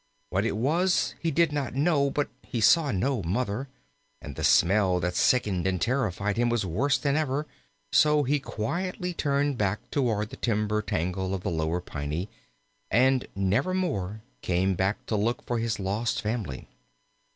What it was he did not know; but he saw no Mother, and the smell that sickened and terrified him was worse than ever, so he quietly turned back toward the timber tangle of the Lower Piney, and nevermore came back to look for his lost family.